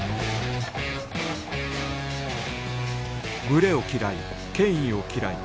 群れを嫌い権威を嫌い